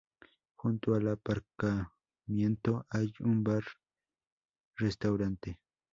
Junto al aparcamiento hay un bar-restaurante.